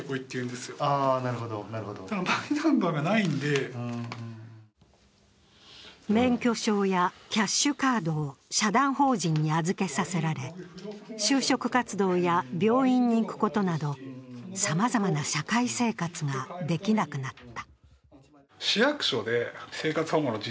更に免許証やキャッシュカードを社団法人に預けさせられ、就職活動や病院に行くことなどさまざまな社会生活ができなくなった。